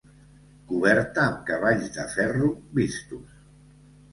Coberta amb cavalls de ferro vistos.